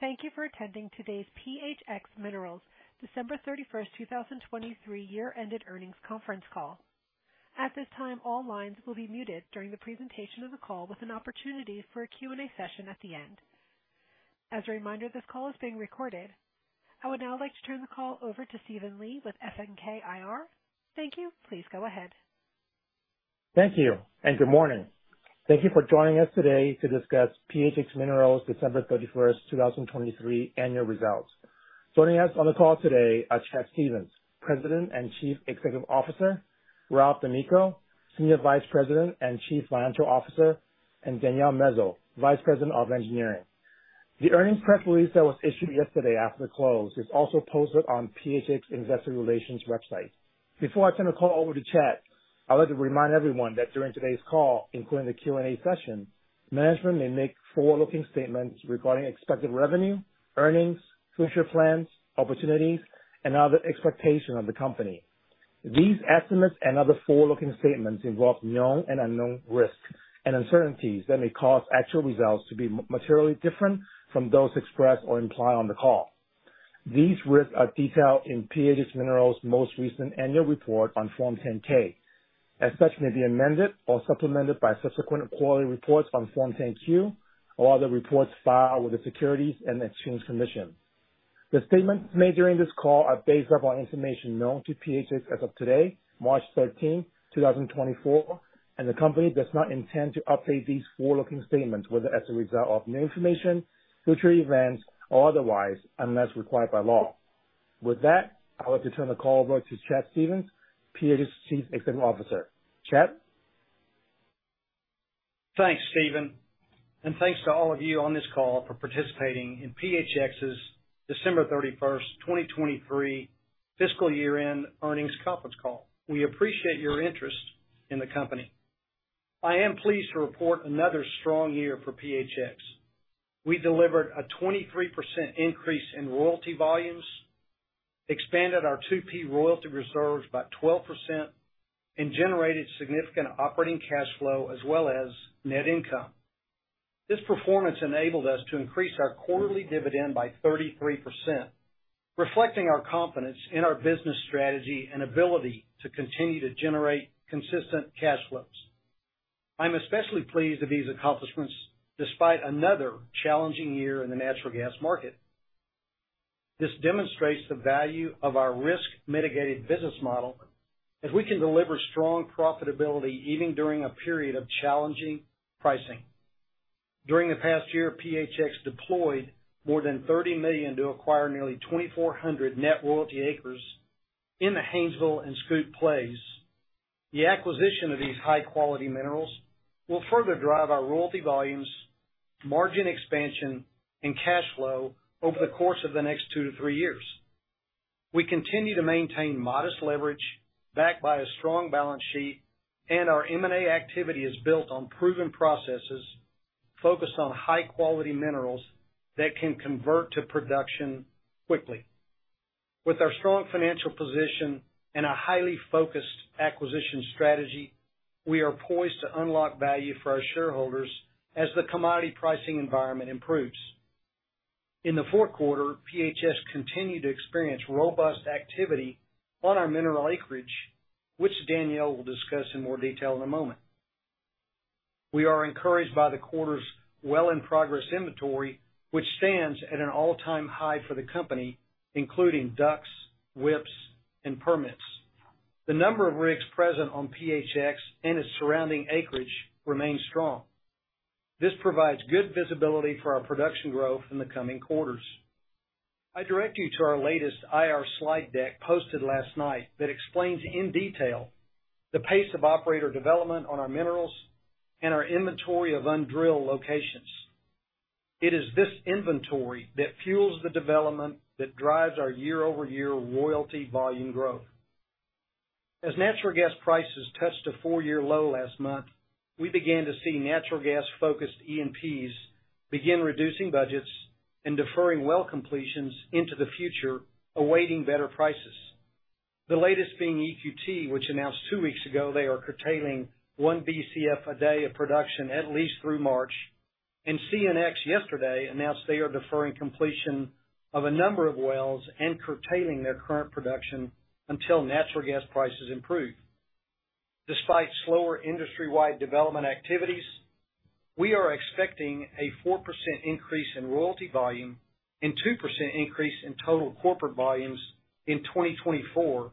Good morning, and thank you for attending today's PHX Minerals December 31st, 2023 year-ended earnings conference call. At this time, all lines will be muted during the presentation of the call with an opportunity for a Q&A session at the end. As a reminder, this call is being recorded. I would now like to turn the call over to Stephen Lee with FNK IR. Thank you. Please go ahead. Thank you, and good morning. Thank you for joining us today to discuss PHX Minerals December 31st, 2023 annual results. Joining us on the call today are Chad Stephens, President and Chief Executive Officer, Ralph D'Amico, Senior Vice President and Chief Financial Officer, and Danielle Mezo, Vice President of Engineering. The earnings press release that was issued yesterday after the close is also posted on PHX Investor Relations website. Before I turn the call over to Chad, I'd like to remind everyone that during today's call, including the Q&A session, management may make forward-looking statements regarding expected revenue, earnings, future plans, opportunities, and other expectations of the company. These estimates and other forward-looking statements involve known and unknown risks and uncertainties that may cause actual results to be materially different from those expressed or implied on the call. These risks are detailed in PHX Minerals' most recent annual report on Form 10-K. As such, it may be amended or supplemented by subsequent quarterly reports on Form 10-Q or other reports filed with the Securities and Exchange Commission. The statements made during this call are based upon information known to PHX as of today, March 13, 2024, and the company does not intend to update these forward-looking statements whether as a result of new information, future events, or otherwise unless required by law. With that, I'd like to turn the call over to Chad Stephens, PHX Chief Executive Officer. Chad? Thanks, Stephen, and thanks to all of you on this call for participating in PHX's December 31st, 2023 fiscal year-end earnings conference call. We appreciate your interest in the company. I am pleased to report another strong year for PHX. We delivered a 23% increase in royalty volumes, expanded our 2P royalty reserves by 12%, and generated significant operating cash flow as well as net income. This performance enabled us to increase our quarterly dividend by 33%, reflecting our confidence in our business strategy and ability to continue to generate consistent cash flows. I'm especially pleased of these accomplishments despite another challenging year in the natural gas market. This demonstrates the value of our risk-mitigated business model as we can deliver strong profitability even during a period of challenging pricing. During the past year, PHX deployed more than $30 million to acquire nearly 2,400 net royalty acres in the Haynesville and SCOOP plays. The acquisition of these high-quality minerals will further drive our royalty volumes, margin expansion, and cash flow over the course of the next 2-3 years. We continue to maintain modest leverage backed by a strong balance sheet, and our M&A activity is built on proven processes focused on high-quality minerals that can convert to production quickly. With our strong financial position and a highly focused acquisition strategy, we are poised to unlock value for our shareholders as the commodity pricing environment improves. In the fourth quarter, PHX continued to experience robust activity on our mineral acreage, which Danielle will discuss in more detail in a moment. We are encouraged by the quarter's well-in-progress inventory, which stands at an all-time high for the company, including DUCs, WIPs, and permits. The number of rigs present on PHX and its surrounding acreage remains strong. This provides good visibility for our production growth in the coming quarters. I direct you to our latest IR slide deck posted last night that explains in detail the pace of operator development on our minerals and our inventory of undrilled locations. It is this inventory that fuels the development that drives our year-over-year royalty volume growth. As natural gas prices touched a four-year low last month, we began to see natural gas-focused E&Ps begin reducing budgets and deferring well completions into the future, awaiting better prices. The latest being EQT, which announced two weeks ago they are curtailing 1 BCF a day of production at least through March, and CNX yesterday announced they are deferring completion of a number of wells and curtailing their current production until natural gas prices improve. Despite slower industry-wide development activities, we are expecting a 4% increase in royalty volume and 2% increase in total corporate volumes in 2024,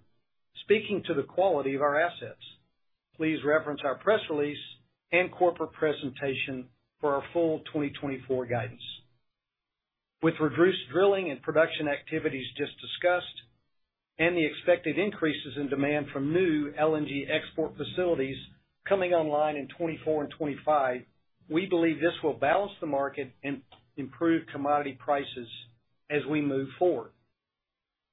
speaking to the quality of our assets. Please reference our press release and corporate presentation for our full 2024 guidance. With reduced drilling and production activities just discussed and the expected increases in demand from new LNG export facilities coming online in 2024 and 2025, we believe this will balance the market and improve commodity prices as we move forward.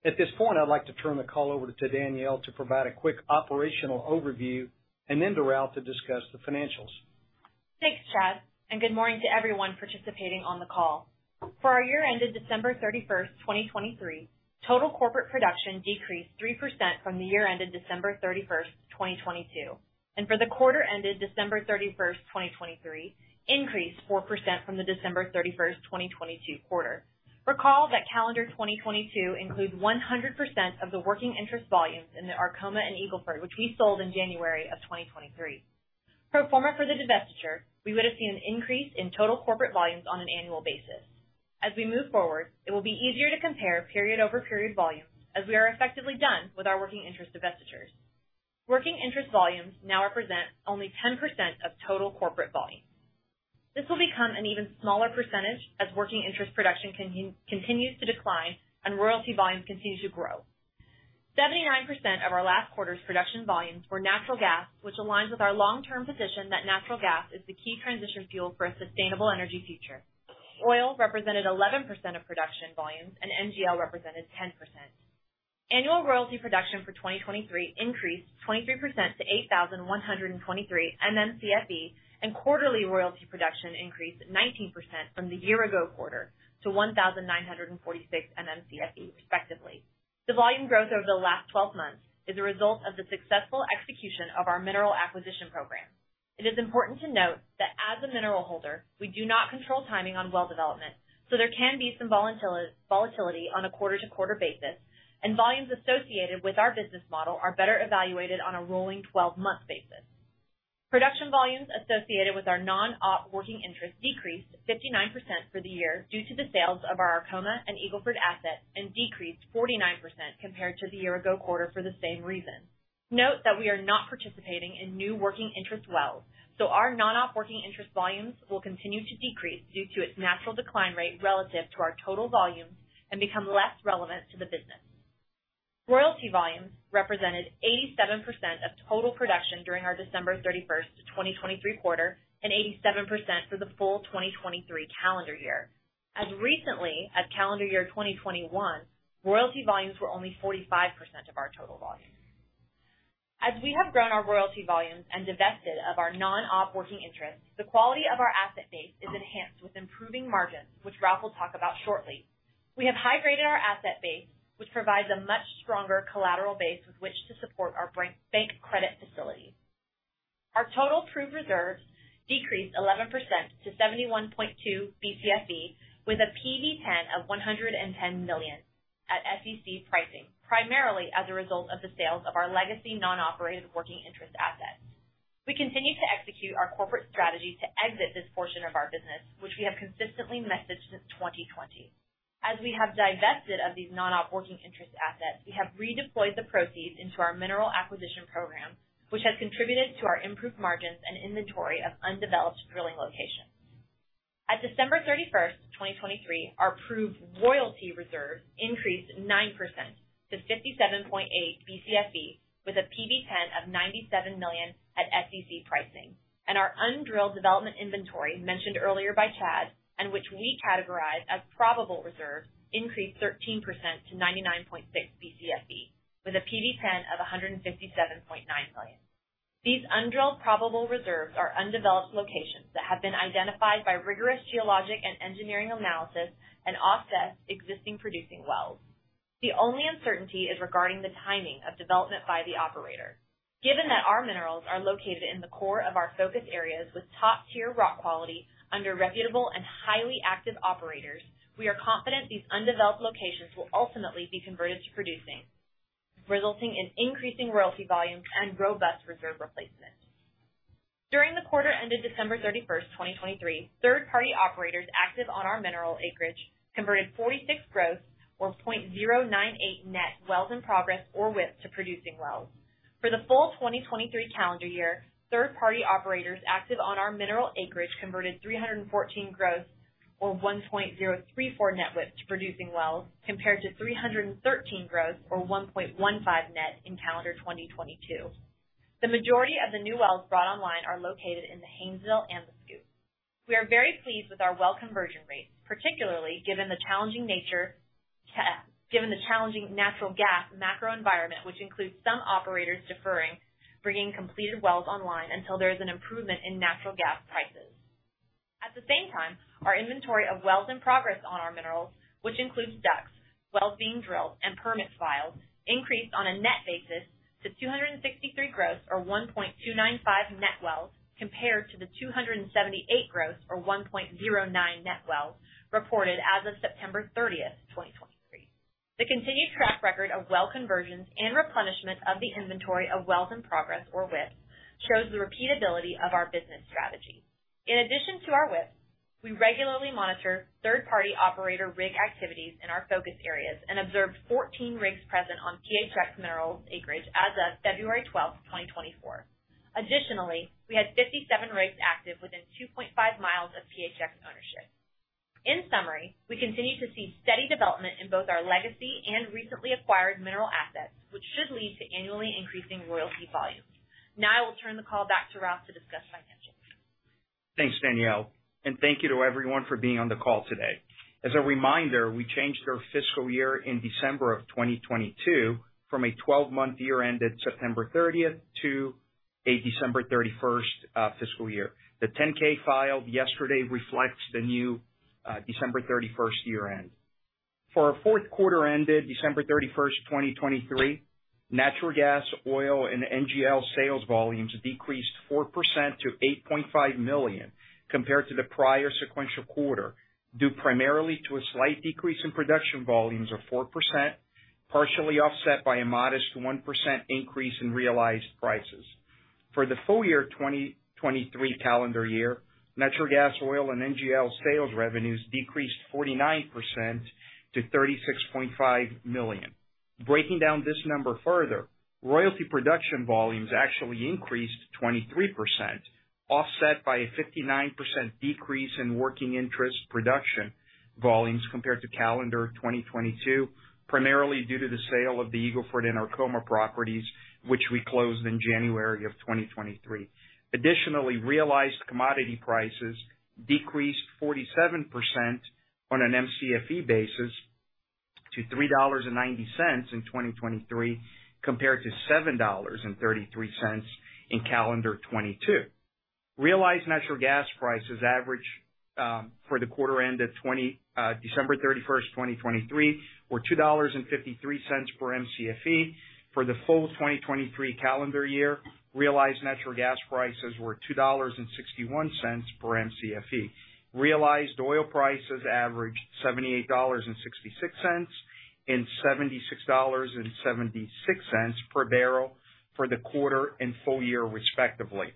At this point, I'd like to turn the call over to Danielle to provide a quick operational overview and then to Ralph to discuss the financials. Thanks, Chad, and good morning to everyone participating on the call. For our year-ended December 31st, 2023, total corporate production decreased 3% from the year-ended December 31st, 2022, and for the quarter-ended December 31st, 2023, increased 4% from the December 31st, 2022 quarter. Recall that calendar 2022 includes 100% of the working interest volumes in the Arkoma and Eagle Ford, which we sold in January of 2023. Pro forma for the divestiture, we would have seen an increase in total corporate volumes on an annual basis. As we move forward, it will be easier to compare period-over-period volumes as we are effectively done with our working interest divestitures. Working interest volumes now represent only 10% of total corporate volumes. This will become an even smaller percentage as working interest production continues to decline and royalty volumes continue to grow. 79% of our last quarter's production volumes were natural gas, which aligns with our long-term position that natural gas is the key transition fuel for a sustainable energy future. Oil represented 11% of production volumes, and NGL represented 10%. Annual royalty production for 2023 increased 23% to 8,123 MMCFE, and quarterly royalty production increased 19% from the year-ago quarter to 1,946 MMCFE, respectively. The volume growth over the last 12 months is a result of the successful execution of our mineral acquisition program. It is important to note that as a mineral holder, we do not control timing on well development, so there can be some volatility on a quarter-to-quarter basis, and volumes associated with our business model are better evaluated on a rolling 12-month basis. Production volumes associated with our Non-Op Working Interest decreased 59% for the year due to the sales of our Arkoma and Eagle Ford assets and decreased 49% compared to the year-ago quarter for the same reason. Note that we are not participating in new working interest wells, so our Non-Op Working Interest volumes will continue to decrease due to its natural decline rate relative to our total volumes and become less relevant to the business. Royalty volumes represented 87% of total production during our December 31st, 2023 quarter and 87% for the full 2023 calendar year. As recently as calendar year 2021, royalty volumes were only 45% of our total volumes. As we have grown our royalty volumes and divested of our Non-Op Working Interest, the quality of our asset base is enhanced with improving margins, which Ralph will talk about shortly. We have high-graded our asset base, which provides a much stronger collateral base with which to support our bank credit facility. Our total proved reserves decreased 11% to 71.2 BCFE with a PV-10 of $110 million at SEC pricing, primarily as a result of the sales of our legacy non-operated working interest assets. We continue to execute our corporate strategy to exit this portion of our business, which we have consistently messaged since 2020. As we have divested of these non-op working interest assets, we have redeployed the proceeds into our mineral acquisition program, which has contributed to our improved margins and inventory of undeveloped drilling locations. At December 31st, 2023, our proved royalty reserves increased 9% to 57.8 BCFE with a PV-10 of $97 million at SEC pricing, and our undrilled development inventory mentioned earlier by Chad and which we categorize as probable reserves increased 13% to 99.6 BCFE with a PV-10 of $157.9 million. These undrilled probable reserves are undeveloped locations that have been identified by rigorous geologic and engineering analysis and offset existing producing wells. The only uncertainty is regarding the timing of development by the operator. Given that our minerals are located in the core of our focus areas with top-tier rock quality under reputable and highly active operators, we are confident these undeveloped locations will ultimately be converted to producing, resulting in increasing royalty volumes and robust reserve replacement. During the quarter-ended December 31st, 2023, third-party operators active on our mineral acreage converted 46 gross or 0.098 net wells in progress or WHIPs to producing wells. For the full 2023 calendar year, third-party operators active on our mineral acreage converted 314 gross or 1.034 net WHIPs to producing wells compared to 313 gross or 1.15 net in calendar 2022. The majority of the new wells brought online are located in the Haynesville and the SCOOP. We are very pleased with our well conversion rates, particularly given the challenging nature, given the challenging natural gas macroenvironment, which includes some operators deferring, bringing completed wells online until there is an improvement in natural gas prices. At the same time, our inventory of wells in progress on our minerals, which includes DUCs, wells being drilled, and permit files, increased on a net basis to 263 gross or 1.295 net wells compared to the 278 gross or 1.09 net wells reported as of September 30th, 2023. The continued track record of well conversions and replenishment of the inventory of wells in progress or WHIPs shows the repeatability of our business strategy. In addition to our WHIPs, we regularly monitor third-party operator rig activities in our focus areas and observed 14 rigs present on PHX Minerals' acreage as of February 12th, 2024. Additionally, we had 57 rigs active within 2.5 miles of PHX ownership. In summary, we continue to see steady development in both our legacy and recently acquired mineral assets, which should lead to annually increasing royalty volumes. Now I will turn the call back to Ralph to discuss financials. Thanks, Danielle, and thank you to everyone for being on the call today. As a reminder, we changed our fiscal year in December of 2022 from a 12-month year-ended September 30th to a December 31st fiscal year. The 10-K filed yesterday reflects the new December 31st year-end. For our fourth quarter-ended December 31st, 2023, natural gas, oil, and NGL sales volumes decreased 4% to 8.5 million compared to the prior sequential quarter due primarily to a slight decrease in production volumes of 4%, partially offset by a modest 1% increase in realized prices. For the full year 2023 calendar year, natural gas, oil, and NGL sales revenues decreased 49% to $36.5 million. Breaking down this number further, royalty production volumes actually increased 23%, offset by a 59% decrease in working interest production volumes compared to calendar 2022, primarily due to the sale of the Eagle Ford and Arkoma properties, which we closed in January of 2023. Additionally, realized commodity prices decreased 47% on an MCFE basis to $3.90 in 2023 compared to $7.33 in calendar 2022. Realized natural gas prices averaged for the quarter-ended December 31st, 2023, were $2.53 per MCFE. For the full 2023 calendar year, realized natural gas prices were $2.61 per MCFE. Realized oil prices averaged $78.66 and $76.76 per barrel for the quarter and full year, respectively.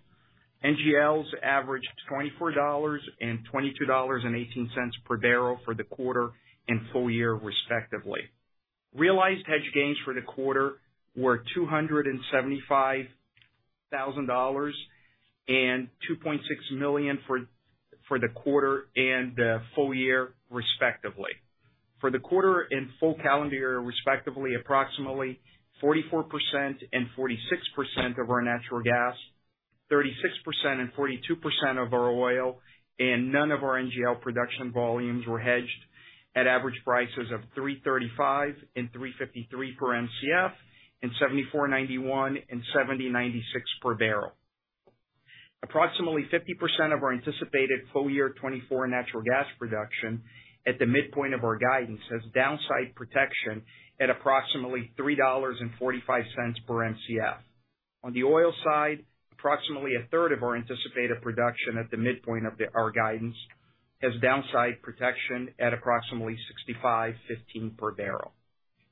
NGLs averaged $24 and $22.18 per barrel for the quarter and full year, respectively. Realized hedge gains for the quarter were $275,000 and $2.6 million for the quarter and the full year, respectively. For the quarter and full calendar year, respectively, approximately 44% and 46% of our natural gas, 36% and 42% of our oil, and none of our NGL production volumes were hedged at average prices of $3.35 and $3.53 per MCF and $74.91 and $70.96 per barrel. Approximately 50% of our anticipated full year 2024 natural gas production at the midpoint of our guidance has downside protection at approximately $3.45 per MCF. On the oil side, approximately a third of our anticipated production at the midpoint of our guidance has downside protection at approximately $65.15 per barrel.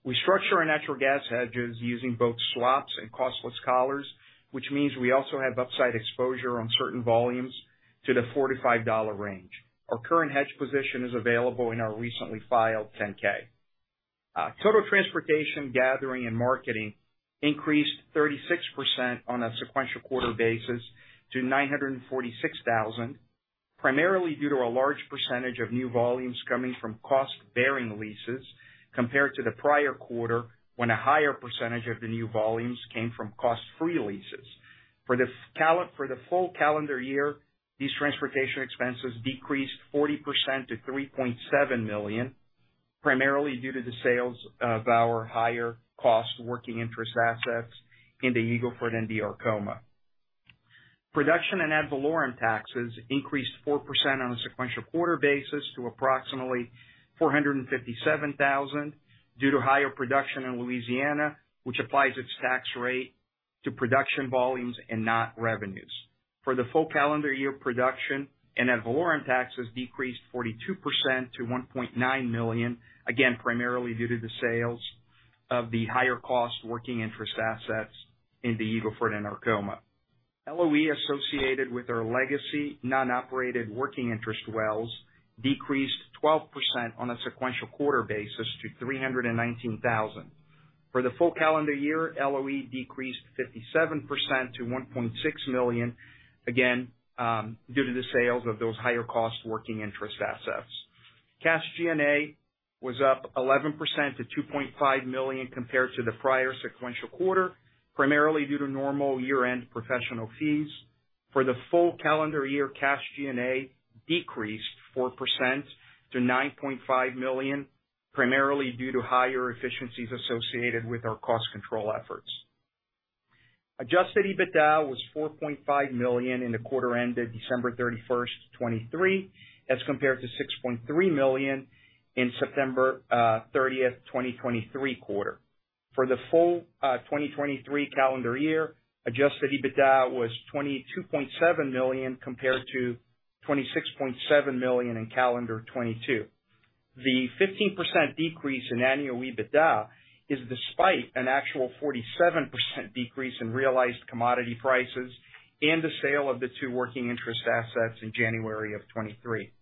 We structure our natural gas hedges using both swaps and costless collars, which means we also have upside exposure on certain volumes to the $45 range. Our current hedge position is available in our recently filed 10-K. Total transportation, gathering, and marketing increased 36% on a sequential quarter basis to $946,000, primarily due to a large percentage of new volumes coming from cost-bearing leases compared to the prior quarter when a higher percentage of the new volumes came from cost-free leases. For the full calendar year, these transportation expenses decreased 40% to $3.7 million, primarily due to the sales of our higher-cost working interest assets in the Eagle Ford and the Arkoma. Production and ad valorem taxes increased 4% on a sequential quarter basis to approximately $457,000 due to higher production in Louisiana, which applies its tax rate to production volumes and not revenues. For the full calendar year, production and ad valorem taxes decreased 42% to $1.9 million, again primarily due to the sales of the higher-cost working interest assets in the Eagle Ford and Arkoma. LOE, associated with our legacy non-operated working interest wells, decreased 12% on a sequential quarter basis to $319,000. For the full calendar year, LOE decreased 57% to $1.6 million, again due to the sales of those higher-cost working interest assets. Cash G&A was up 11% to $2.5 million compared to the prior sequential quarter, primarily due to normal year-end professional fees. For the full calendar year, cash G&A decreased 4% to $9.5 million, primarily due to higher efficiencies associated with our cost control efforts. Adjusted EBITDA was $4.5 million in the quarter-ended December 31st, 2023, as compared to $6.3 million in September 30th, 2023 quarter. For the full 2023 calendar year, adjusted EBITDA was $22.7 million compared to $26.7 million in calendar 2022. The 15% decrease in annual EBITDA is despite an actual 47% decrease in realized commodity prices and the sale of the two working interest assets in January of 2023.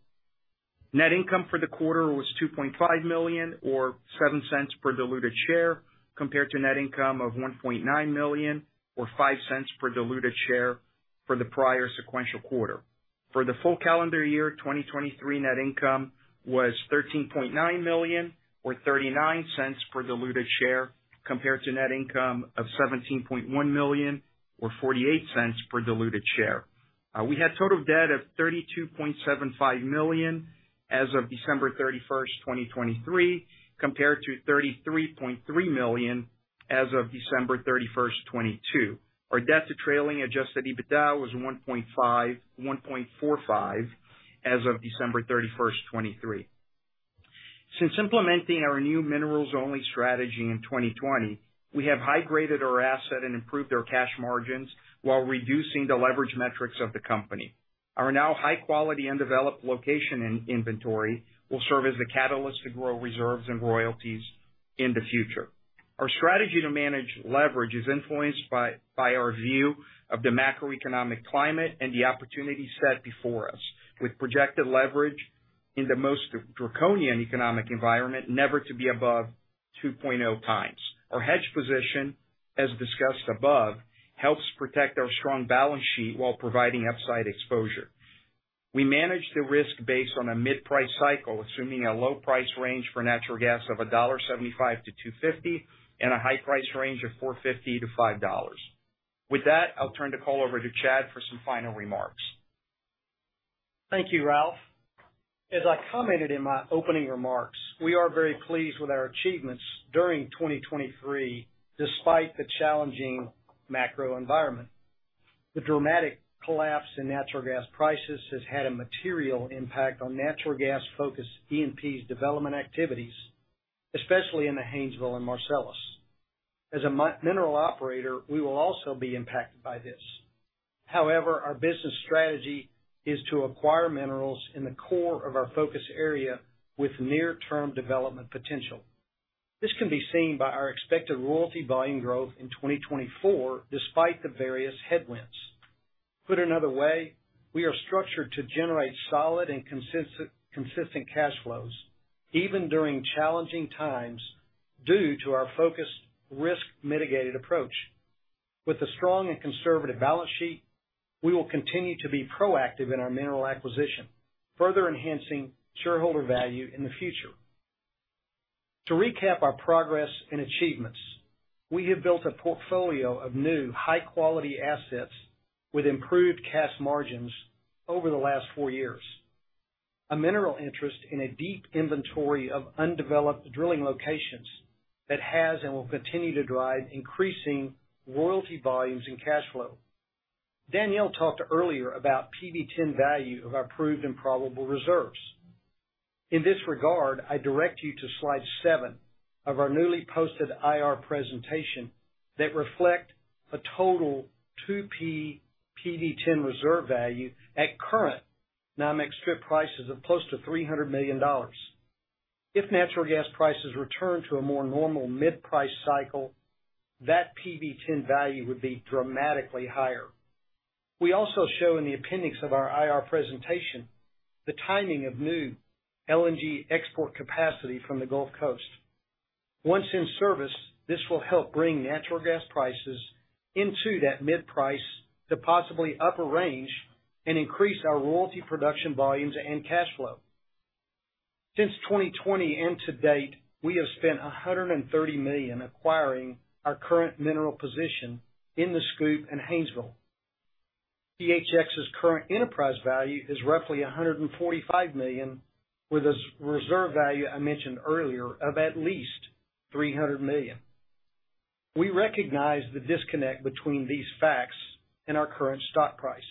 Net income for the quarter was $2.5 million or $0.07 per diluted share compared to net income of $1.9 million or $0.05 per diluted share for the prior sequential quarter. For the full calendar year, 2023 net income was $13.9 million or $0.39 per diluted share compared to net income of $17.1 million or $0.48 per diluted share. We had total debt of $32.75 million as of December 31st, 2023, compared to $33.3 million as of December 31st, 2022. Our debt to trailing adjusted EBITDA was 1.45 as of December 31st, 2023. Since implementing our new minerals-only strategy in 2020, we have high-graded our asset and improved our cash margins while reducing the leverage metrics of the company. Our now high-quality undeveloped location inventory will serve as the catalyst to grow reserves and royalties in the future. Our strategy to manage leverage is influenced by our view of the macroeconomic climate and the opportunities set before us, with projected leverage in the most draconian economic environment never to be above 2.0 times. Our hedge position, as discussed above, helps protect our strong balance sheet while providing upside exposure. We manage the risk based on a mid-price cycle, assuming a low-price range for natural gas of $1.75-$2.50 and a high-price range of $4.50-$5. With that, I'll turn the call over to Chad for some final remarks. Thank you, Ralph. As I commented in my opening remarks, we are very pleased with our achievements during 2023 despite the challenging macro environment. The dramatic collapse in natural gas prices has had a material impact on natural gas-focused E&Ps development activities, especially in the Haynesville and Marcellus. As a mineral operator, we will also be impacted by this. However, our business strategy is to acquire minerals in the core of our focus area with near-term development potential. This can be seen by our expected royalty volume growth in 2024 despite the various headwinds. Put another way, we are structured to generate solid and consistent cash flows even during challenging times due to our focused risk-mitigated approach. With a strong and conservative balance sheet, we will continue to be proactive in our mineral acquisition, further enhancing shareholder value in the future. To recap our progress and achievements, we have built a portfolio of new high-quality assets with improved cash margins over the last four years. A mineral interest in a deep inventory of undeveloped drilling locations that has and will continue to drive increasing royalty volumes and cash flow. Danielle talked earlier about PV10 value of proved and probable reserves. In this regard, I direct you to slide 7 of our newly posted IR presentation that reflect a total 2P PV10 reserve value at current NYMEX strip prices of close to $300 million. If natural gas prices return to a more normal mid-price cycle, that PV10 value would be dramatically higher. We also show in the appendix of our IR presentation the timing of new LNG export capacity from the Gulf Coast. Once in service, this will help bring natural gas prices into that mid-price to possibly up a range and increase our royalty production volumes and cash flow. Since 2020 and to date, we have spent $130 million acquiring our current mineral position in the SCOOP and Haynesville. PHX's current enterprise value is roughly $145 million with a reserve value I mentioned earlier of at least $300 million. We recognize the disconnect between these facts and our current stock price.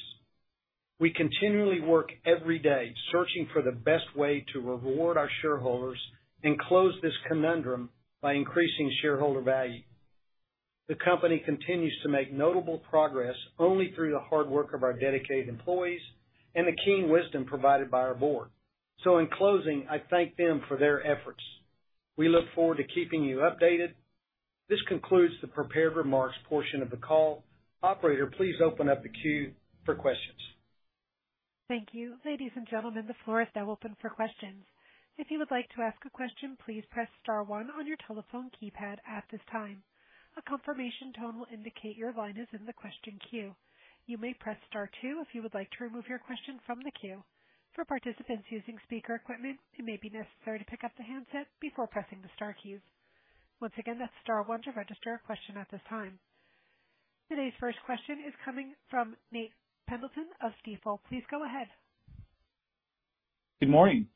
We continually work every day searching for the best way to reward our shareholders and close this conundrum by increasing shareholder value. The company continues to make notable progress only through the hard work of our dedicated employees and the keen wisdom provided by our board. In closing, I thank them for their efforts. We look forward to keeping you updated. This concludes the prepared remarks portion of the call. Operator, please open up the queue for questions. Thank you. Ladies and gentlemen, the floor is now open for questions. If you would like to ask a question, please press star one on your telephone keypad at this time. A confirmation tone will indicate your line is in the question queue. You may press star two if you would like to remove your question from the queue. For participants using speaker equipment, it may be necessary to pick up the handset before pressing the star cues. Once again, that's star one to register a question at this time. Today's first question is coming from Nate Pendleton of Stifel. Please go ahead. Good morning.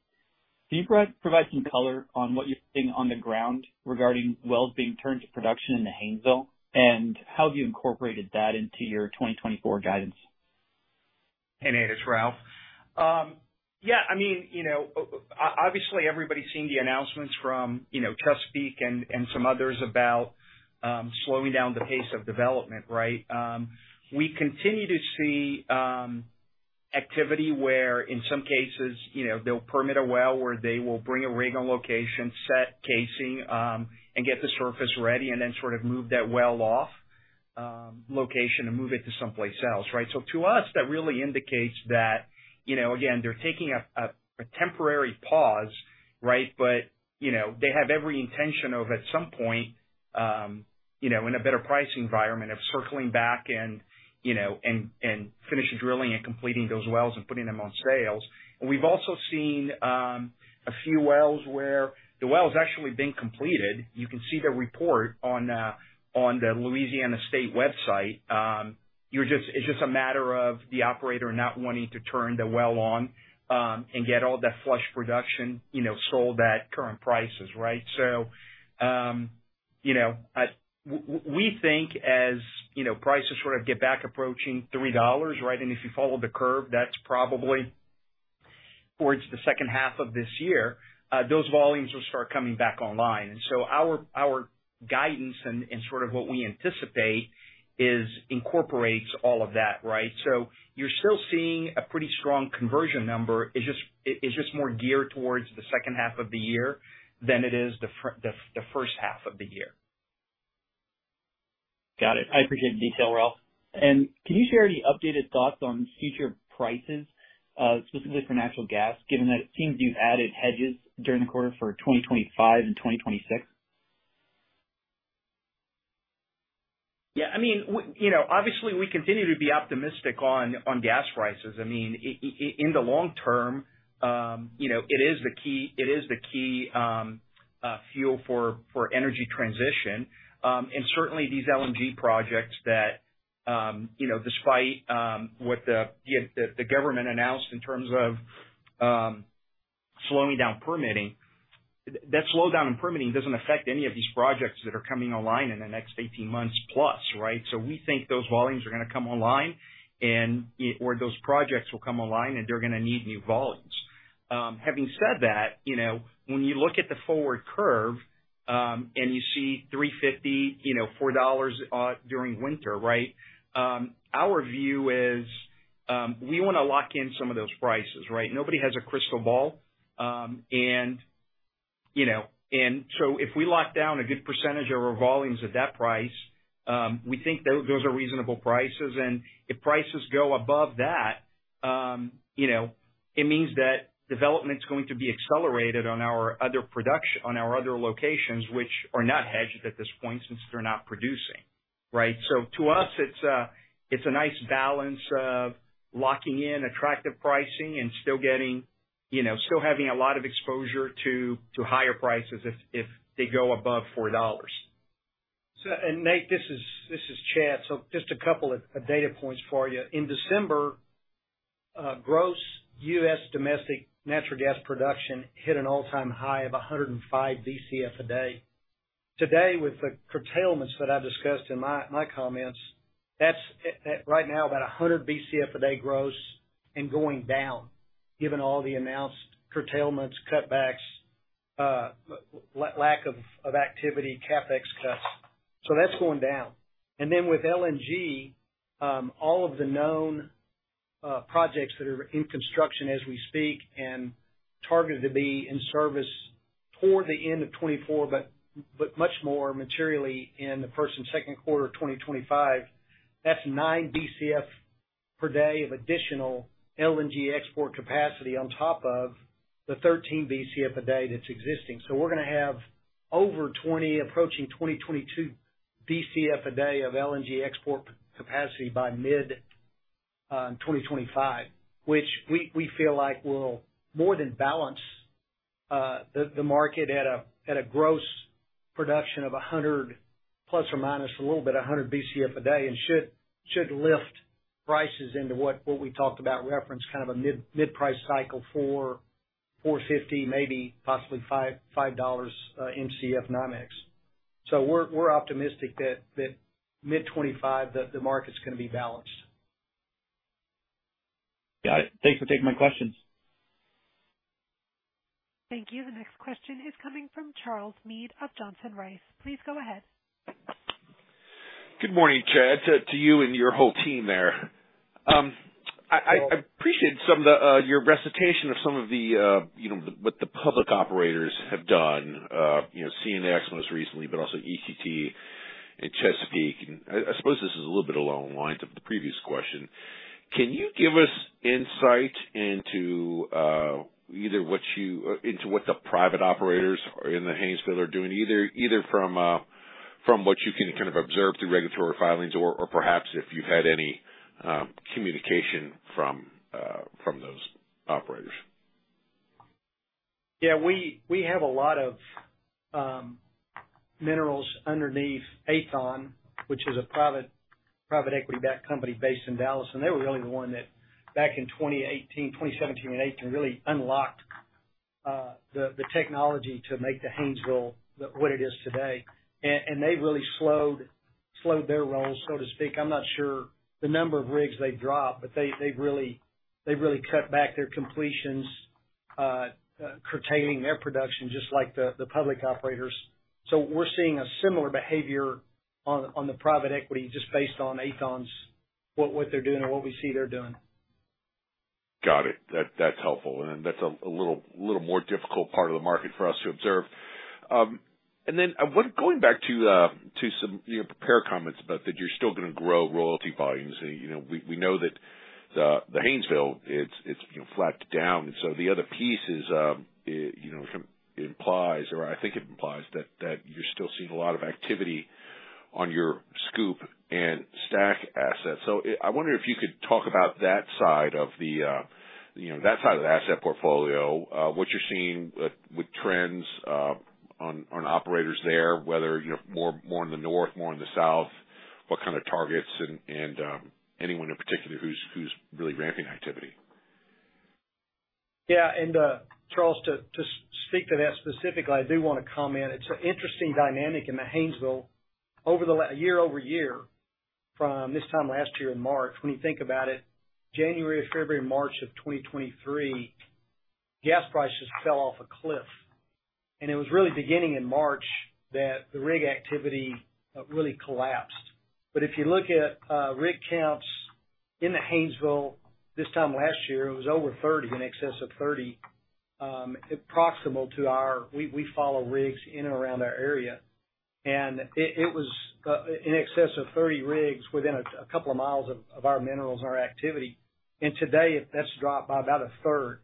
Can you provide some color on what you're seeing on the ground regarding wells being turned to production in the Haynesville, and how have you incorporated that into your 2024 guidance? Hey, Nate. It's Ralph. Yeah, I mean, obviously, everybody's seen the announcements from Chesapeake and some others about slowing down the pace of development, right? We continue to see activity where, in some cases, they'll permit a well where they will bring a rig on location, set casing, and get the surface ready, and then sort of move that well off location and move it to someplace else, right? So to us, that really indicates that, again, they're taking a temporary pause, right? But they have every intention of, at some point, in a better pricing environment, of circling back and finishing drilling and completing those wells and putting them on sales. We've also seen a few wells where the well's actually been completed. You can see the report on the Louisiana State website. It's just a matter of the operator not wanting to turn the well on and get all that flush production sold at current prices, right? So we think, as prices sort of get back approaching $3, right? And if you follow the curve, that's probably towards the second half of this year, those volumes will start coming back online. And so our guidance and sort of what we anticipate incorporates all of that, right? So you're still seeing a pretty strong conversion number. It's just more geared towards the second half of the year than it is the first half of the year. Got it. I appreciate the detail, Ralph. Can you share any updated thoughts on future prices, specifically for natural gas, given that it seems you've added hedges during the quarter for 2025 and 2026? Yeah. I mean, obviously, we continue to be optimistic on gas prices. I mean, in the long term, it is the key fuel for energy transition. And certainly, these LNG projects that, despite what the government announced in terms of slowing down permitting, that slowdown in permitting doesn't affect any of these projects that are coming online in the next 18 months plus, right? So we think those volumes are going to come online or those projects will come online, and they're going to need new volumes. Having said that, when you look at the forward curve and you see $3.50-$4 during winter, right? Our view is we want to lock in some of those prices, right? Nobody has a crystal ball. And so if we lock down a good percentage of our volumes at that price, we think those are reasonable prices. If prices go above that, it means that development's going to be accelerated on our other locations, which are not hedged at this point since they're not producing, right? So to us, it's a nice balance of locking in attractive pricing and still having a lot of exposure to higher prices if they go above $4. And Nate, this is Chad. So just a couple of data points for you. In December, gross U.S. domestic natural gas production hit an all-time high of 105 BCF a day. Today, with the curtailments that I've discussed in my comments, that's right now about 100 BCF a day gross and going down, given all the announced curtailments, cutbacks, lack of activity, CapEx cuts. So that's going down. And then with LNG, all of the known projects that are in construction as we speak and targeted to be in service toward the end of 2024 but much more materially in the first and second quarter of 2025, that's 9 BCF per day of additional LNG export capacity on top of the 13 BCF a day that's existing. So we're going to have over 20, approaching 20-22 BCF a day of LNG export capacity by mid-2025, which we feel like will more than balance the market at a gross production of 100 plus or minus a little bit 100 BCF a day and should lift prices into what we talked about reference, kind of a mid-price cycle for $4.50, maybe possibly $5/MCF NYMEX. So we're optimistic that mid-2025, the market's going to be balanced. Got it. Thanks for taking my questions. Thank you. The next question is coming from Charles Meade of Johnson Rice. Please go ahead. Good morning, Chad, to you and your whole team there. I appreciate your recitation of some of what the public operators have done, CNX most recently, but also EQT in Chesapeake. I suppose this is a little bit along the lines of the previous question. Can you give us insight into either what the private operators in the Haynesville are doing, either from what you can kind of observe through regulatory filings or perhaps if you've had any communication from those operators? Yeah. We have a lot of minerals underneath Aethon, which is a private equity-backed company based in Dallas. And they were really the one that, back in 2017 and 2018, really unlocked the technology to make the Haynesville what it is today. And they really slowed their rigs, so to speak. I'm not sure the number of rigs they've dropped, but they've really cut back their completions, curtailing their production just like the public operators. So we're seeing a similar behavior on the private equity just based on Aethon's what they're doing and what we see they're doing. Got it. That's helpful. And that's a little more difficult part of the market for us to observe. And then going back to some prepared comments about that you're still going to grow royalty volumes, we know that the Haynesville, it's flattened down. And so the other pieces implies, or I think it implies, that you're still seeing a lot of activity on your SCOOP and STACK assets. So I wonder if you could talk about that side of the that side of the asset portfolio, what you're seeing with trends on operators there, whether more in the north, more in the south, what kind of targets, and anyone in particular who's really ramping activity. Yeah. And Charles, to speak to that specifically, I do want to comment. It's an interesting dynamic in the Haynesville. Year-over-year, from this time last year in March, when you think about it, January, February, March of 2023, gas prices fell off a cliff. And it was really beginning in March that the rig activity really collapsed. But if you look at rig counts in the Haynesville this time last year, it was over 30, in excess of 30, proximal to our, we follow rigs in and around our area. And it was in excess of 30 rigs within a couple of miles of our minerals and our activity. And today, that's dropped by about a third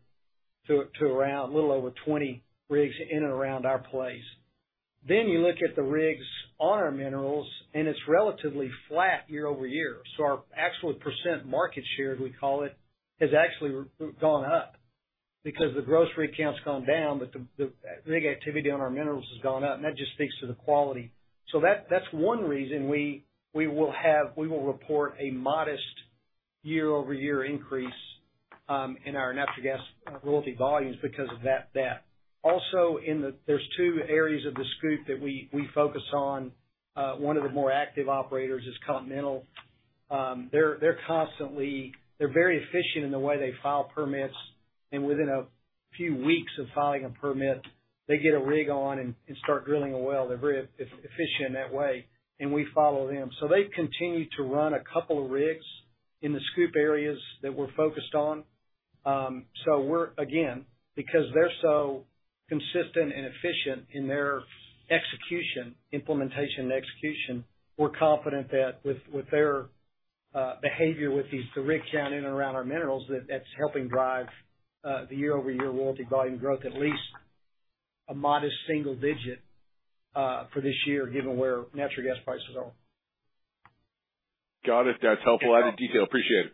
to around a little over 20 rigs in and around our place. Then you look at the rigs on our minerals, and it's relatively flat year-over-year. So our actual % market share, we call it, has actually gone up because the gross rig count's gone down, but the rig activity on our minerals has gone up. And that just speaks to the quality. So that's one reason we will report a modest year-over-year increase in our natural gas royalty volumes because of that. Also, there's two areas of the SCOOP that we focus on. One of the more active operators is Continental. They're very efficient in the way they file permits. And within a few weeks of filing a permit, they get a rig on and start drilling a well. They're very efficient in that way. And we follow them. So they've continued to run a couple of rigs in the SCOOP areas that we're focused on. So again, because they're so consistent and efficient in their implementation and execution, we're confident that with their behavior with the rig count in and around our minerals, that's helping drive the year-over-year royalty volume growth, at least a modest single-digit for this year, given where natural gas prices are. Got it. That's helpful. Added detail. Appreciate it.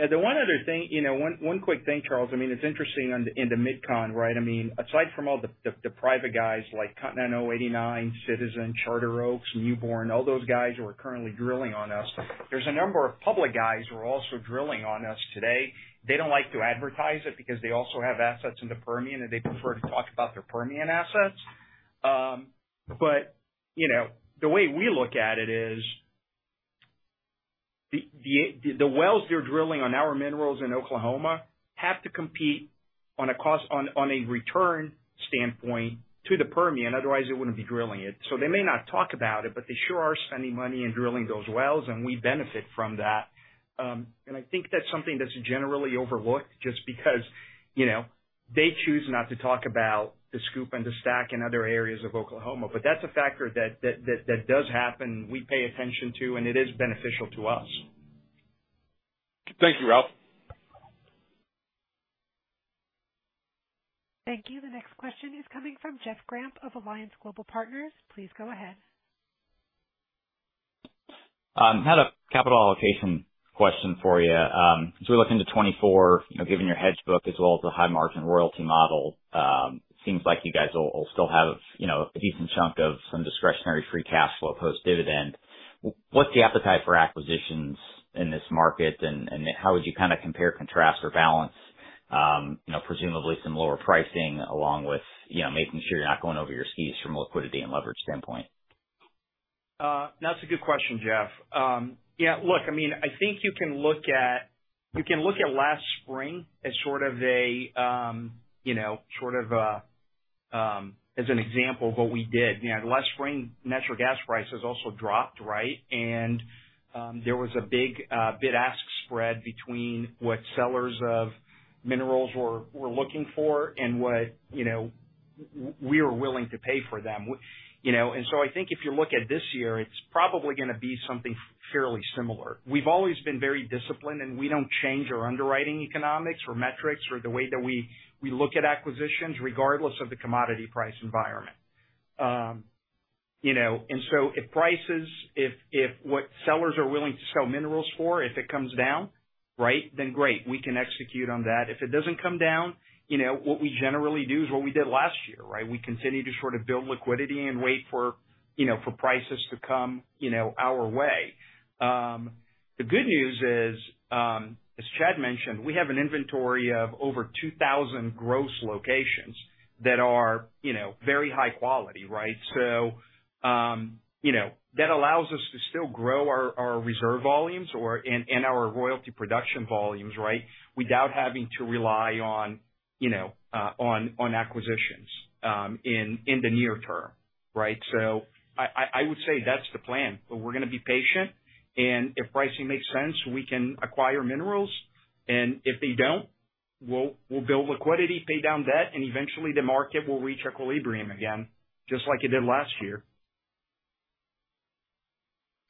Yeah. The one other thing, one quick thing, Charles. I mean, it's interesting in the mid-con, right? I mean, aside from all the private guys like Continental, Citizen, Charter Oak, Newborn, all those guys who are currently drilling on us, there's a number of public guys who are also drilling on us today. They don't like to advertise it because they also have assets in the Permian, and they prefer to talk about their Permian assets. But the way we look at it is the wells they're drilling on our minerals in Oklahoma have to compete on a return standpoint to the Permian. Otherwise, they wouldn't be drilling it. So they may not talk about it, but they sure are spending money in drilling those wells, and we benefit from that. I think that's something that's generally overlooked just because they choose not to talk about the SCOOP and the STACK and other areas of Oklahoma. That's a factor that does happen. We pay attention to, and it is beneficial to us. Thank you, Ralph. Thank you. The next question is coming from Jeff Grampp of Alliance Global Partners. Please go ahead. I had a capital allocation question for you. As we look into 2024, given your hedge book as well as the high-margin royalty model, it seems like you guys will still have a decent chunk of some discretionary free cash flow post-dividend. What's the appetite for acquisitions in this market, and how would you kind of compare, contrast, or balance, presumably, some lower pricing along with making sure you're not going over your skis from a liquidity and leverage standpoint? That's a good question, Jeff. Yeah. Look, I mean, I think you can look at last spring as sort of as an example of what we did. Last spring, natural gas prices also dropped, right? And there was a big bid-ask spread between what sellers of minerals were looking for and what we were willing to pay for them. And so I think if you look at this year, it's probably going to be something fairly similar. We've always been very disciplined, and we don't change our underwriting economics or metrics or the way that we look at acquisitions, regardless of the commodity price environment. And so if what sellers are willing to sell minerals for, if it comes down, right, then great. We can execute on that. If it doesn't come down, what we generally do is what we did last year, right? We continue to sort of build liquidity and wait for prices to come our way. The good news is, as Chad mentioned, we have an inventory of over 2,000 gross locations that are very high quality, right? So that allows us to still grow our reserve volumes and our royalty production volumes, right, without having to rely on acquisitions in the near term, right? So I would say that's the plan. But we're going to be patient. And if pricing makes sense, we can acquire minerals. And if they don't, we'll build liquidity, pay down debt, and eventually, the market will reach equilibrium again, just like it did last year.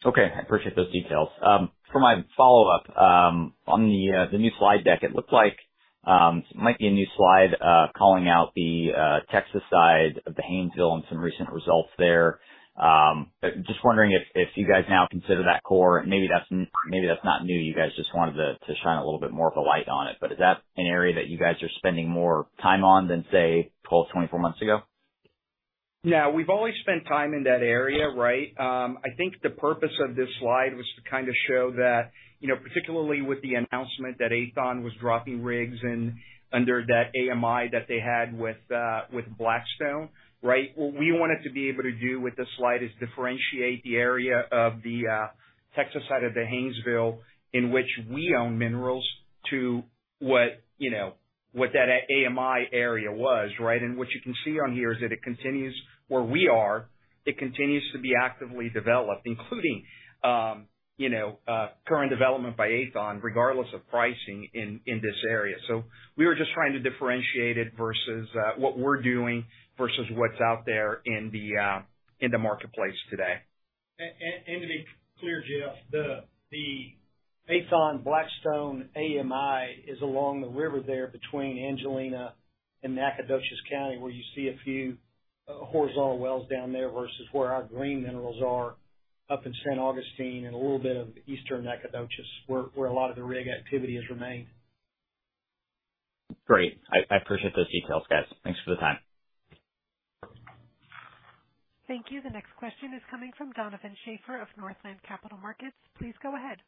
Okay. I appreciate those details. For my follow-up on the new slide deck, it looked like it might be a new slide calling out the Texas side of the Haynesville and some recent results there. Just wondering if you guys now consider that core. Maybe that's not new. You guys just wanted to shine a little bit more of a light on it. But is that an area that you guys are spending more time on than, say, 12, 24 months ago? Yeah. We've always spent time in that area, right? I think the purpose of this slide was to kind of show that, particularly with the announcement that Athon was dropping rigs and under that AMI that they had with Blackstone, right, what we wanted to be able to do with this slide is differentiate the area of the Texas side of the Haynesville in which we own minerals to what that AMI area was, right? And what you can see on here is that it continues where we are. It continues to be actively developed, including current development by Athon, regardless of pricing in this area. So we were just trying to differentiate it versus what we're doing versus what's out there in the marketplace today. To be clear, Jeff, the Athon-Blackstone AMI is along the river there between Angelina County and Nacogdoches County, where you see a few horizontal wells down there versus where our green minerals are up in St. Augustine County and a little bit of eastern Nacogdoches, where a lot of the rig activity has remained. Great. I appreciate those details, guys. Thanks for the time. Thank you. The next question is coming from Donovan Schaefer of Northland Capital Markets. Please go ahead.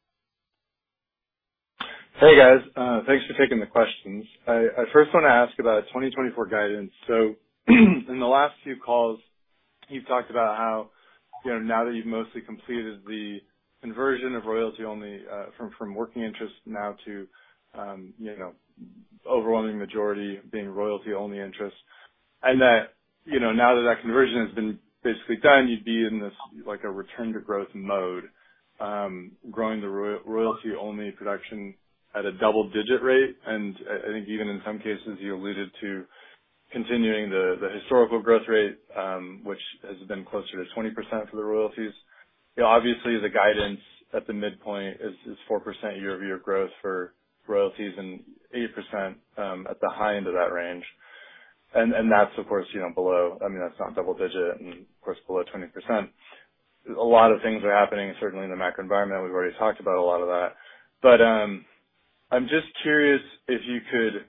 Hey, guys. Thanks for taking the questions. I first want to ask about 2024 guidance. So in the last few calls, you've talked about how now that you've mostly completed the conversion of royalty-only from working interest now to overwhelming majority being royalty-only interest, and that now that that conversion has been basically done, you'd be in a return-to-growth mode, growing the royalty-only production at a double-digit rate. And I think even in some cases, you alluded to continuing the historical growth rate, which has been closer to 20% for the royalties. Obviously, the guidance at the midpoint is 4% year-over-year growth for royalties and 8% at the high end of that range. And that's, of course, below. I mean, that's not double-digit and, of course, below 20%. A lot of things are happening, certainly in the macro environment. We've already talked about a lot of that. I'm just curious if you could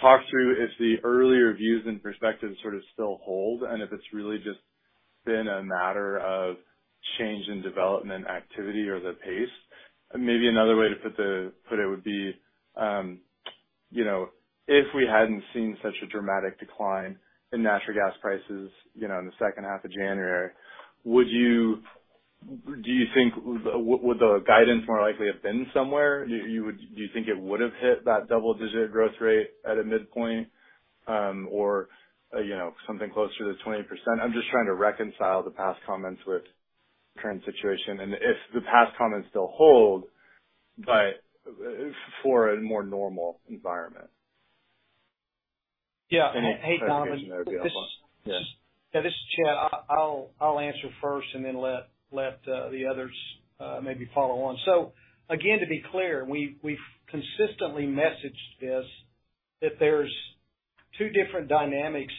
talk through if the earlier views and perspectives sort of still hold and if it's really just been a matter of change in development activity or the pace. Maybe another way to put it would be if we hadn't seen such a dramatic decline in natural gas prices in the second half of January, do you think would the guidance more likely have been somewhere? Do you think it would have hit that double-digit growth rate at a midpoint or something closer to 20%? I'm just trying to reconcile the past comments with the current situation. If the past comments still hold. For a more normal environment. Yeah. Hey, Donovan. Yeah. This is Chad. I'll answer first and then let the others maybe follow on. So again, to be clear, we've consistently messaged this that there's two different dynamics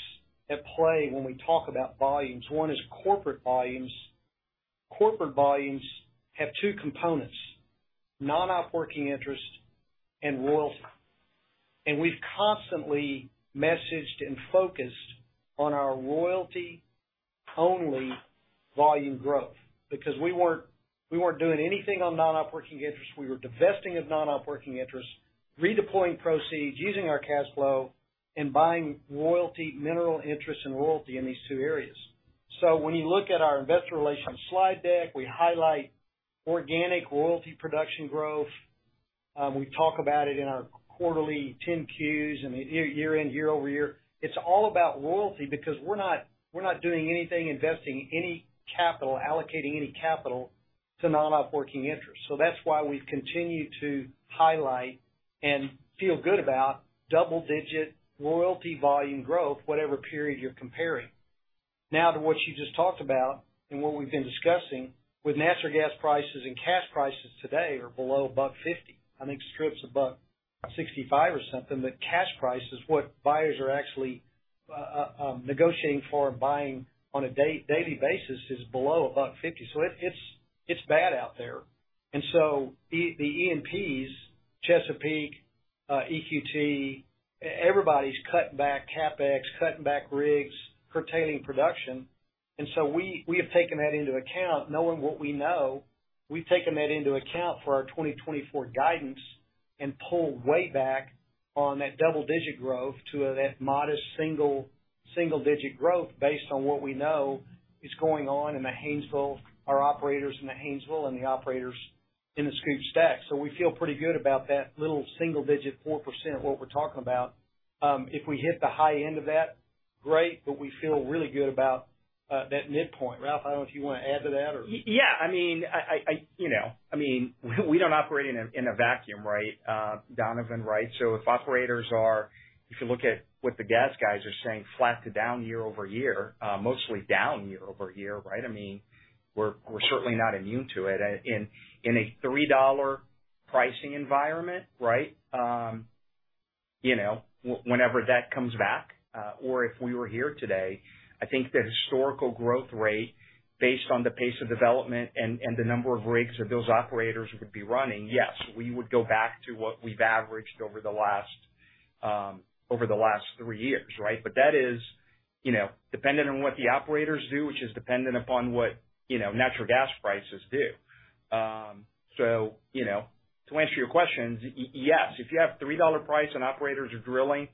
at play when we talk about volumes. One is corporate volumes. Corporate volumes have two components, non-op working interest and royalty. And we've constantly messaged and focused on our royalty-only volume growth because we weren't doing anything on non-op working interest. We were divesting of non-op working interest, redeploying proceeds, using our cash flow, and buying royalty, mineral interest, and royalty in these two areas. So when you look at our investor relations slide deck, we highlight organic royalty production growth. We talk about it in our quarterly 10-Qs and year-end, year-over-year. It's all about royalty because we're not doing anything, investing any capital, allocating any capital to non-op working interest. So that's why we've continued to highlight and feel good about double-digit royalty volume growth, whatever period you're comparing. Now, to what you just talked about and what we've been discussing, with natural gas prices and cash prices today are below about $50. I think strips about $65 or something. But cash prices, what buyers are actually negotiating for and buying on a daily basis is below about $50. So it's bad out there. And so the E&Ps, Chesapeake, EQT, everybody's cutting back CapEx, cutting back rigs, curtailing production. And so we have taken that into account. Knowing what we know, we've taken that into account for our 2024 guidance and pulled way back on that double-digit growth to that modest single-digit growth based on what we know is going on in the Haynesville, our operators in the Haynesville, and the operators in the SCOOP/STACK. So we feel pretty good about that little single-digit 4%, what we're talking about. If we hit the high end of that, great. But we feel really good about that midpoint. Ralph, I don't know if you want to add to that or. Yeah. I mean, we don't operate in a vacuum, right, Donovan, right? So if operators are, if you look at what the gas guys are saying, flat to down year-over-year, mostly down year-over-year, right, I mean, we're certainly not immune to it. In a $3 pricing environment, right, whenever that comes back or if we were here today, I think the historical growth rate based on the pace of development and the number of rigs that those operators would be running, yes, we would go back to what we've averaged over the last 3 years, right? But that is dependent on what the operators do, which is dependent upon what natural gas prices do. So to answer your questions, yes. If you have a $3 price and operators are drilling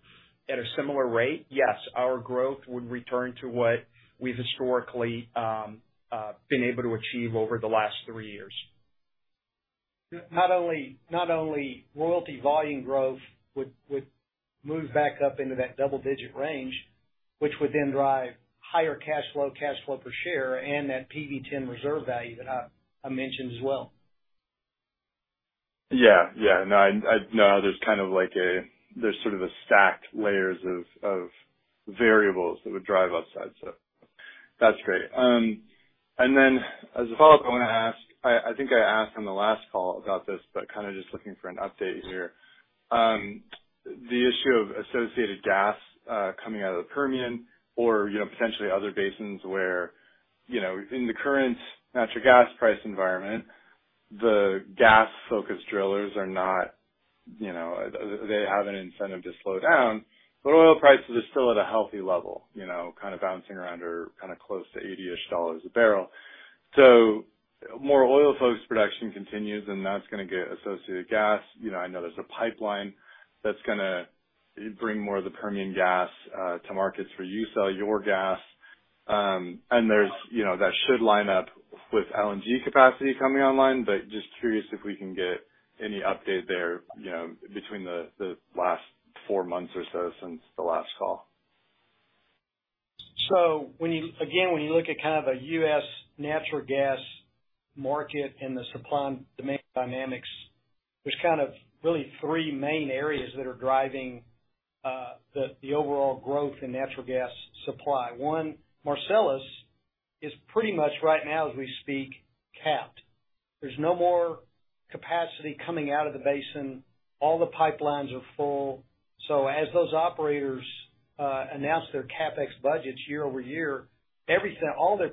at a similar rate, yes, our growth would return to what we've historically been able to achieve over the last three years. Not only royalty volume growth would move back up into that double-digit range, which would then drive higher cash flow, cash flow per share, and that PV10 reserve value that I mentioned as well. Yeah. Yeah. No, there's sort of stacked layers of variables that would drive upside. So that's great. And then as a follow-up, I want to ask. I think I asked on the last call about this, but kind of just looking for an update here, the issue of associated gas coming out of the Permian or potentially other basins where in the current natural gas price environment, the gas-focused drillers are not. They have an incentive to slow down, but oil prices are still at a healthy level, kind of bouncing around or kind of close to $80-ish a barrel. So more oil-focused production continues, and that's going to get associated gas. I know there's a pipeline that's going to bring more of the Permian gas to markets for you, sell your gas. And that should line up with LNG capacity coming online. Just curious if we can get any update there between the last four months or so since the last call? So again, when you look at kind of a US natural gas market and the supply and demand dynamics, there's kind of really three main areas that are driving the overall growth in natural gas supply. One, Marcellus is pretty much right now, as we speak, capped. There's no more capacity coming out of the basin. All the pipelines are full. So as those operators announce their CapEx budgets year-over-year, all their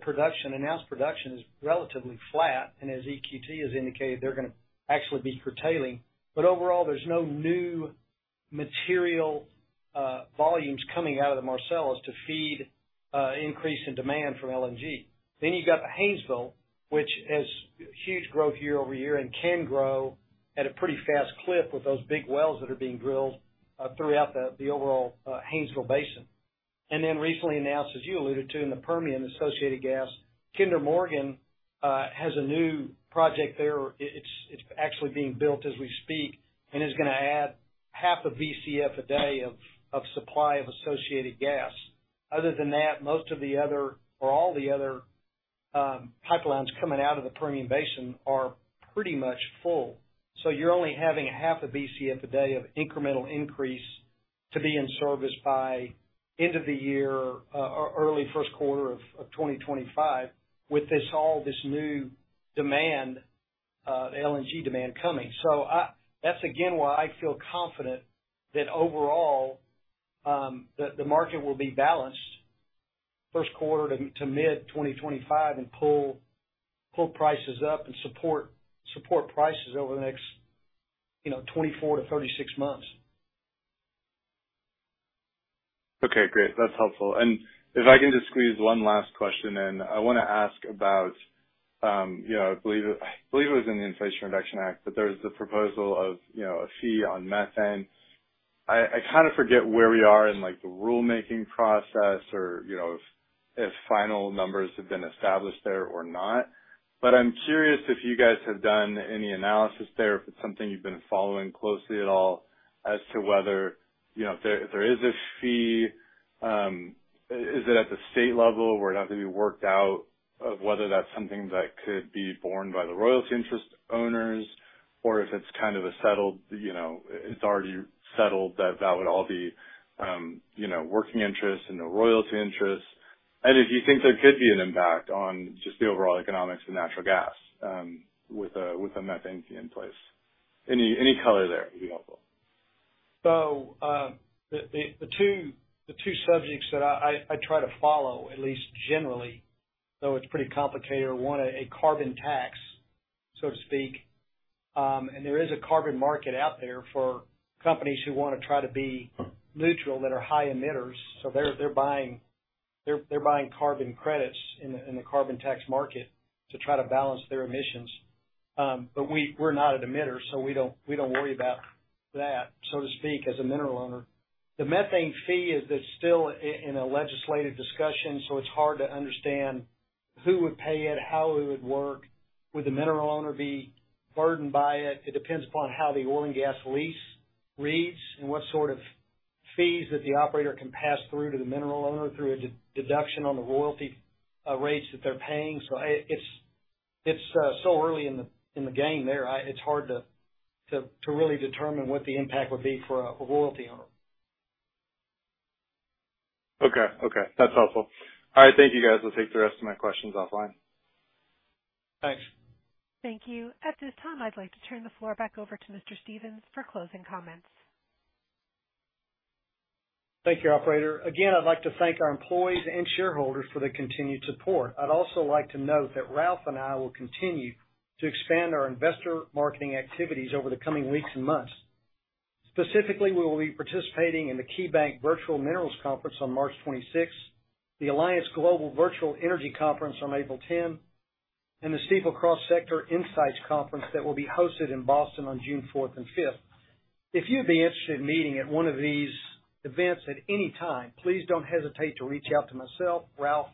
announced production is relatively flat. And as EQT has indicated, they're going to actually be curtailing. But overall, there's no new material volumes coming out of the Marcellus to feed increase in demand from LNG. Then you've got the Haynesville, which has huge growth year-over-year and can grow at a pretty fast clip with those big wells that are being drilled throughout the overall Haynesville basin. Then recently announced, as you alluded to, in the Permian, associated gas, Kinder Morgan has a new project there. It's actually being built as we speak and is going to add half a BCF a day of supply of associated gas. Other than that, most of the other or all the other pipelines coming out of the Permian Basin are pretty much full. So you're only having half a BCF a day of incremental increase to be in service by end of the year or early first quarter of 2025 with all this new demand, LNG demand, coming. So that's, again, why I feel confident that overall, the market will be balanced first quarter to mid-2025 and pull prices up and support prices over the next 24-36 months. Okay. Great. That's helpful. And if I can just squeeze one last question in, I want to ask about, I believe it was in the Inflation Reduction Act, but there's the proposal of a fee on methane. I kind of forget where we are in the rulemaking process or if final numbers have been established there or not. But I'm curious if you guys have done any analysis there, if it's something you've been following closely at all as to whether if there is a fee, is it at the state level where it has to be worked out or whether that's something that could be borne by the royalty interest owners or if it's kind of a settled—it's already settled that that would all be working interest and no royalty interest? If you think there could be an impact on just the overall economics of natural gas with a methane fee in place? Any color there would be helpful. So the two subjects that I try to follow, at least generally, though it's pretty complicated, are one, a carbon tax, so to speak. There is a carbon market out there for companies who want to try to be neutral that are high emitters. So they're buying carbon credits in the carbon tax market to try to balance their emissions. But we're not an emitter, so we don't worry about that, so to speak, as a mineral owner. The methane fee is still in a legislative discussion, so it's hard to understand who would pay it, how it would work, would the mineral owner be burdened by it. It depends upon how the oil and gas lease reads and what sort of fees that the operator can pass through to the mineral owner through a deduction on the royalty rates that they're paying. It's so early in the game there, it's hard to really determine what the impact would be for a royalty owner. Okay. Okay. That's helpful. All right. Thank you, guys. I'll take the rest of my questions offline. Thanks. Thank you. At this time, I'd like to turn the floor back over to Mr. Stephens for closing comments. Thank you, operator. Again, I'd like to thank our employees and shareholders for the continued support. I'd also like to note that Ralph and I will continue to expand our investor marketing activities over the coming weeks and months. Specifically, we will be participating in the KeyBanc Virtual Minerals Conference on March 26th, the Alliance Global Partners Virtual Energy Conference on April 10th, and the Stifel Cross-Sector Insights Conference that will be hosted in Boston on June 4th and 5th. If you'd be interested in meeting at one of these events at any time, please don't hesitate to reach out to myself, Ralph,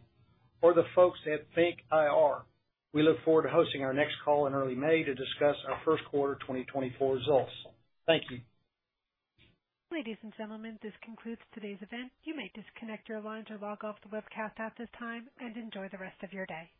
or the folks at FNK IR. We look forward to hosting our next call in early May to discuss our first quarter 2024 results. Thank you. Ladies and gentlemen, this concludes today's event. You may disconnect your lines or log off the webcast at this time and enjoy the rest of your day.